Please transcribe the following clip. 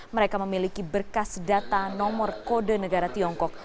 mereka memiliki berkas data nomor kode negara tiongkok